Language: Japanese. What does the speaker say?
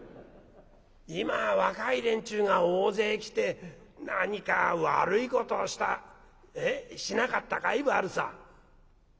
「今若い連中が大勢来て何か悪いことをしたしなかったかい？悪さ」。